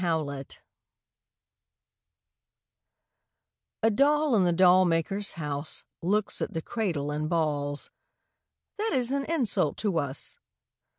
II THE DOLLS A doll in the doll maker's house Looks at the cradle and balls: 'That is an insult to us.'